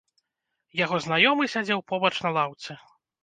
Яго знаёмы сядзеў побач на лаўцы.